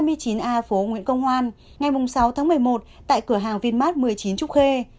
phố nguyễn công hoan ngày sáu tháng một mươi một tại cửa hàng vinmart một mươi chín trúc khê